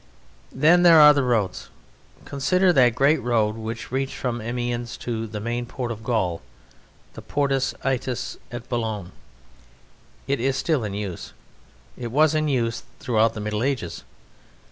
Then there are the roads. Consider that great road which reached from Amiens to the main port of Gaul, the Portus Itius at Boulogne. It is still in use. It was in use throughout the Middle Ages.